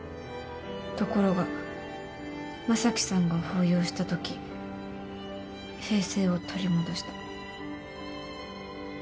ところが将貴さんが抱擁したとき平静を取り戻した。